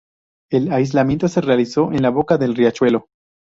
El alistamiento se realizó en La Boca del Riachuelo.